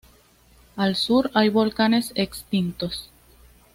Al sur hay volcanes extintos.